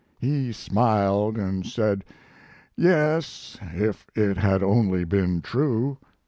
He smiled and said, "Yes if it had only been true."